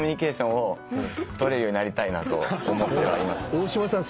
大島さん